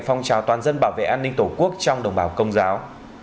phong trào toàn dân bảo vệ an ninh tổ quốc trong đồng bào công giáo